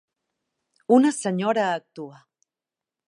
Una senyora actua.